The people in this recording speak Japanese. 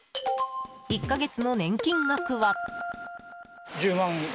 １か月の年金額は。